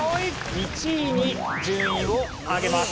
１位に順位を上げます。